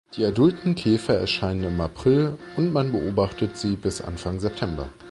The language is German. Die adulten Käfer erscheinen im April und man beobachtet sie bis Anfang September.